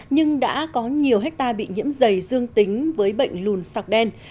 nhưng đã có nhiều hectare bị nhiễm dày dương tính với bệnh lùn sọc đen